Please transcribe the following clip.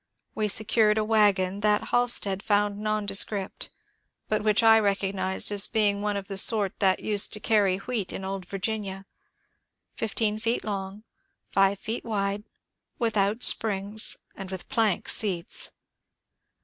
We secured a wagon that Halstead found nondescript, but which I recognized as one of the sort that used to carry wheat in old Virginia, — fifteen feet long, five wide, without springs, and with plank seats.